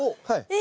はい。